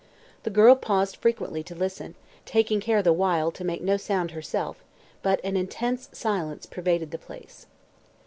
The girl paused frequently to listen, taking care the while to make no sound herself, but an intense silence pervaded the place.